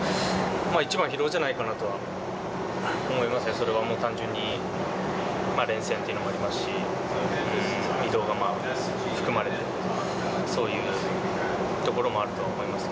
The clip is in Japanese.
一番は疲労じゃないかなとは思いますね、それはもう単純に、連戦というのもありますし、移動が含まれる、そういうところもあるとは思います。